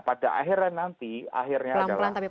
pada akhirnya nanti akhirnya adalah